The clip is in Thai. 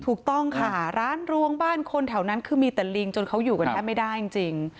ถูกต้องค่ะร้านรวงบ้านคนแถวนั้นคือมีแต่ลิงจนเขาอยู่กันแทบไม่ได้จริง